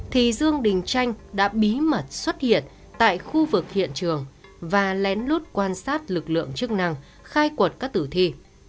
thì dương đình chanh đã bí mật xuất hiện tại khu vực hiện trường và lén lút quan sát lực lượng chức năng khai quật các tử thi